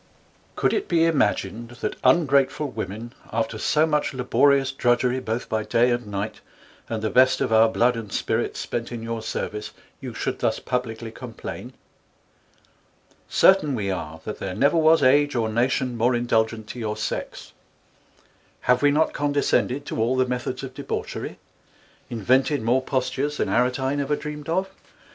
COuld it be Imagined, that ungrateful Women, ┬Ā┬Ā┬Ā┬Ā┬Ā┬Ā 1 5 after so much laborious Drudgery, both by Day and Night, and the best of our Blood and Spirits spent in your Service, you should thus publickly Complain? Certain we are, that there never was Age or Nation more Indulgent to your Sex; have we not ┬Ā┬Ā┬Ā┬Ā┬Ā┬Ā 1 10 condiscended to all the Methods of Debauchery? Invented more Postures than Aretine ever Dreamed of!